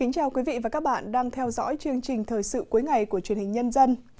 chào mừng quý vị đến với bộ phim thời sự cuối ngày của truyền hình nhân dân